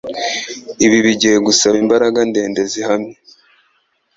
Ibi bigiye gusaba imbaraga ndende zihamye.